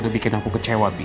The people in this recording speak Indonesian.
udah bikin aku kecewa